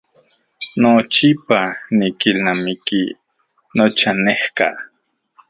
Nochipa nikilnamiki nochanejka.